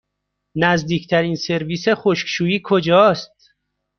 نزدیکترین سرویس خشکشویی کجاست؟